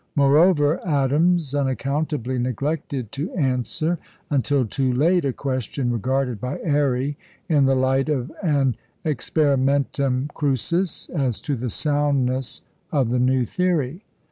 Moreover, Adams unaccountably neglected to answer until too late a question regarded by Airy in the light of an experimentum crucis as to the soundness of the new theory.